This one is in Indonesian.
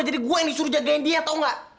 jadi gue yang disuruh jagain dia tau gak